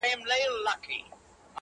گرانه په دغه سي حشر كي جــادو!